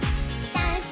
ダンス！」